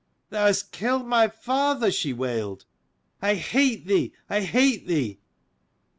"Thou hast killed my father," she wailed: "I hate thee, I hate thee!"